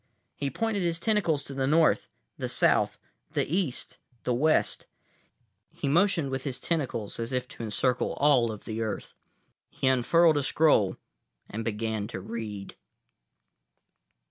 He pointed his tentacles to the north, the south, the east, the west. He motioned with his tentacles, as if to encircle all of Earth. He unfurled a scroll and began to read.